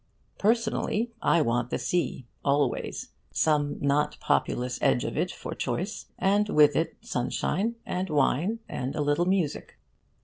Personally, I want the sea always some not populous edge of it for choice; and with it sunshine, and wine, and a little music.